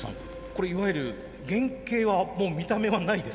これいわゆる原形はもう見た目はないですよね。